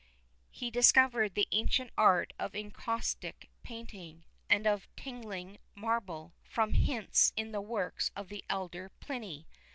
He discovered the ancient art of encaustic painting, and of tinging marble, from hints in the works of the elder Pliny.